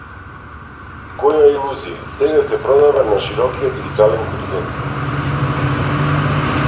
Која илузија сега се продава на широкиот дигитален хоризонт?